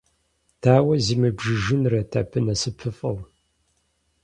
Дауэ зимыбжыжынрэт абы насыпыфӀэу!